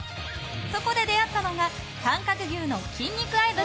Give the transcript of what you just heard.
そこで出会ったのが短角牛の筋肉アイドル